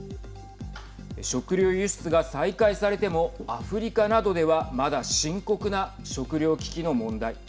食料輸出が再開されてもアフリカなどでは、まだ深刻な食料危機の問題。